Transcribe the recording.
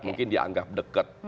mungkin dianggap dekat